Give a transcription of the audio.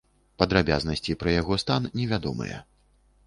Падрабязнасці пра яго стан не вядомыя.